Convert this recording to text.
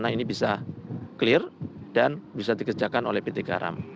ini akan dikerjakan oleh pt garam